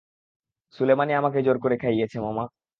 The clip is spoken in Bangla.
সুলেমানই আমাকে জোর করে খাইয়েছে, মামা।